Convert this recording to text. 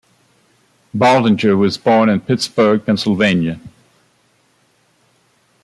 Baldinger was born in Pittsburgh, Pennsylvania.